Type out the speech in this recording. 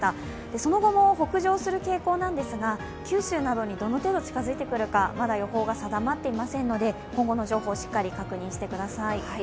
その後も北上する傾向なんですが、九州などにどの程度、近づいてくるか、まだ予報が定まっていませんので今後の情報しっかり確認してください。